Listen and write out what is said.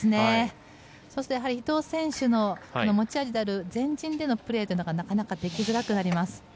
そして伊藤選手の持ち味である前陣でのプレーがなかなかできづらくなります。